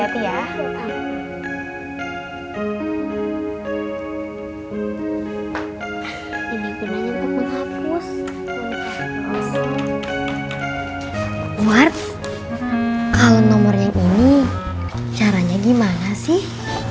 edward kalau nomor yang ini caranya gimana sih